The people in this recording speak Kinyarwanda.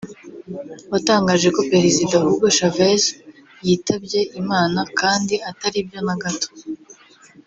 watangaje ko Perezida Hugo Chavez yitabye Imana kandi atari byo na gato